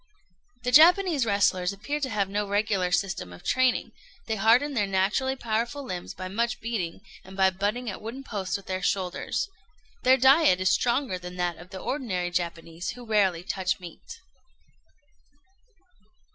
The Japanese wrestlers appear to have no regular system of training; they harden their naturally powerful limbs by much beating, and by butting at wooden posts with their shoulders. Their diet is stronger than that of the ordinary Japanese, who rarely touch meat.